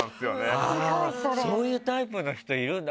そういうタイプの人いるんだ。